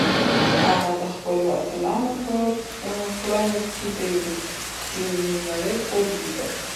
هغه د خپلو اتلانو په کړنو کې د یوې رښتیانۍ نړۍ خوب لیده.